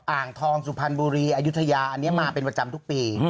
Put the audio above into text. อ่างทองสุพรรณบุรีอายุทยาอันนี้มาเป็นประจำทุกปี